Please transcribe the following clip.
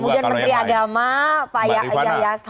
kemudian menteri agama pak yahya